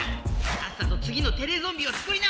さっさとつぎのテレゾンビをつくりな！